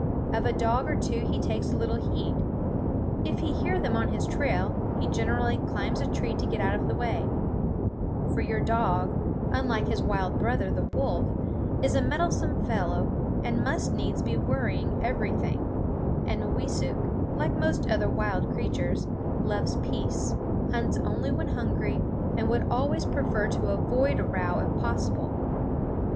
Of a dog or two he takes little heed. If he hear them on his trail, he generally climbs a tree to get out of the way; for your dog, unlike his wild brother, the wolf, is a meddlesome fellow and must needs be worrying everything; and Mooweesuk, like most other wild creatures, loves peace, hunts only when hungry, and would always prefer to avoid a row if possible.